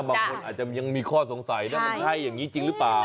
บางคนอาจจะยังมีข้อสงสัยนะมันใช่อย่างนี้จริงหรือเปล่า